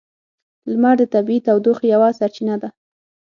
لمر د طبیعی تودوخې یوه سرچینه ده.